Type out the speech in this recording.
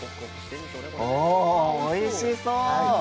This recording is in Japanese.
おいしそう！